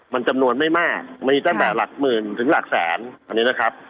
มันจำนวนไม่มากมีตั้งแต่หลักหมื่นถึงหลักแสนอันนี้นะครับ